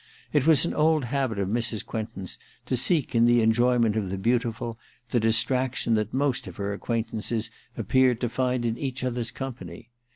It was an old habit of Mrs. Quentin's . to seek in the enjoyment of the beautiful the , distraction that most of her acquaintances ' appeared to find in each other's company.